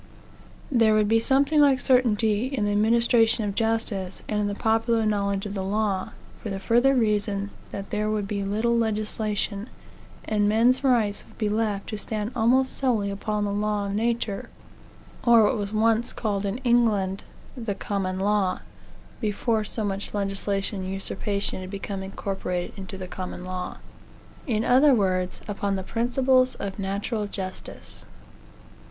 There would be something like certainty in the administration of justice, and in the popular knowledge of the law, for the further reason that there would be little legislation, and men's rights would be left to stand almost solely upon the law of nature, or what was once called in England "the common law," (before so much legislation and usurpation had become incorporated into the common law,) in other words, upon the principles of natural justice.